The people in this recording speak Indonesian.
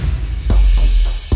bokap gue di penjara